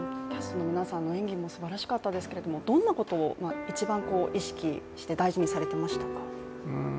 皆さんの演技もすばらしかったですけどどんなことを一番意識して大事にされていましたか。